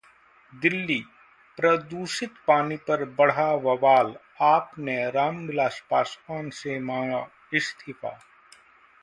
दिल्ली: प्रदूषित पानी पर बढ़ा बवाल, 'आप' ने राम विलास पासवान से मांगा इस्तीफा